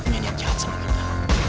kau punya niat jahat sama kita